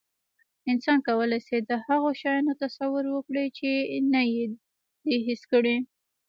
انسان کولی شي، د هغو شیانو تصور وکړي، چې نه یې دي حس کړي.